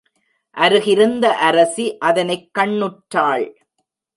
அருகிருந்த அரசி அதனைக் கண்ணுற்றாள்.